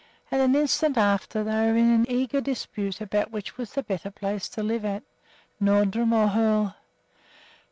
And an instant after they were in eager dispute about which was the better place to live at, Nordrum or Hoel.